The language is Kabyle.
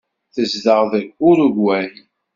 Tezdeɣ deg Urugway.